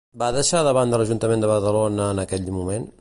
Va deixar de banda l'Ajuntament de Badalona en aquell moment?